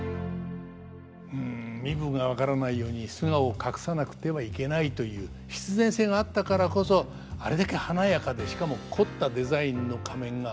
うん身分が分からないように素顔を隠さなくてはいけないという必然性があったからこそあれだけ華やかでしかも凝ったデザインの仮面が生まれてきたんでしょうね。